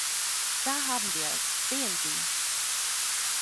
Da haben wir es, sehen Sie!